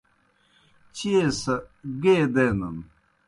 چیئے سہ گیئے دینَن۔